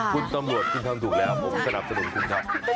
คุณตำรวจคุณทำถูกแล้วผมสนับสนุนคุณครับ